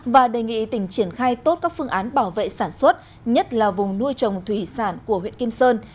và đề nghị tỉnh triển khai tốt các phương án bảo vệ sản xuất nhất là vùng nuôi trồng thủy sản của huyện kim sơn